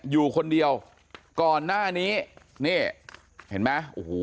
อยู่คนเดียวก่อนหน้านี้นี่เห็นไหมโอ้โห